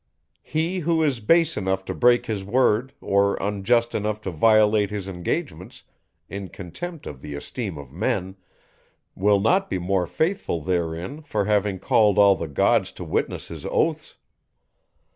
He, who is base enough to break his word, or unjust enough to violate his engagements, in contempt of the esteem of men, will not be more faithful therein for having called all the gods to witness his oaths.